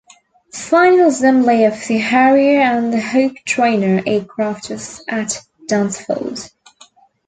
Final assembly of the Harrier and the Hawk trainer aircraft was at Dunsfold.